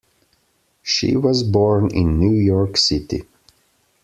She was born in New York City.